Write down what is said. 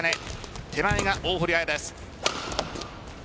手前が大堀彩です。